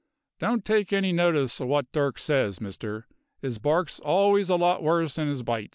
Don't take any notice o' what Dirk says, Mister; 'is bark's always a lot worse 'n 'is bite.